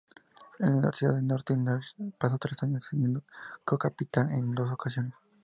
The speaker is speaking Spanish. En la Universidad de Norte Dame pasó tres años, siendo co-capitán en dos ocasiones.